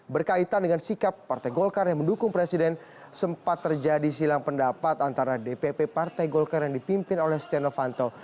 berkaitan dengan sikap partai golkar yang mendukung presiden sempat terjadi silang pendapat antara dpp partai golkar yang dipimpin oleh setia novanto